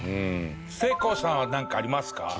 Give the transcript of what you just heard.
せいこうさんはなんかありますか？